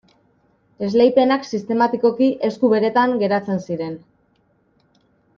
Esleipenak sistematikoki esku beretan geratzen ziren.